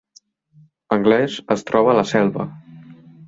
Anglès es troba a la Selva